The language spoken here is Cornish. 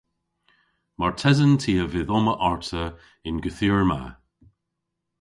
Martesen ty a vydh omma arta y'n gorthugher ma.